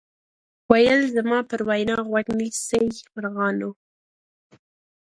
ویل زما پر وینا غوږ نیسۍ مرغانو